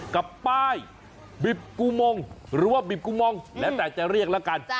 กับป้ายบิบกูมงหรือว่าบิบกูมองแล้วแต่จะเรียกแล้วกัน